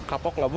kapok gak bu